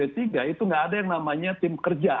itu nggak ada yang namanya tim kerja